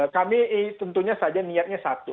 kami tentunya saja niatnya satu